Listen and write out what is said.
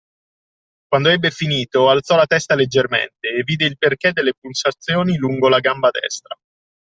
Quando ebbe finito, alzò la testa leggermente, e vide il perché delle pulsazioni lungo la gamba destra